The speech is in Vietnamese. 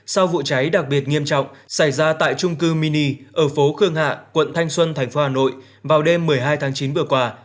sau vụ cháy đặc biệt nghiêm trọng xảy ra tại trung cư mini ở phố khương hạ quận thanh xuân tp hà nội vào đêm một mươi hai tháng chín vừa qua